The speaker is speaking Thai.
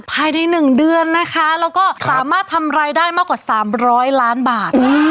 ภายใน๑เดือนนะคะแล้วก็สามารถทำรายได้มากกว่า๓๐๐ล้านบาท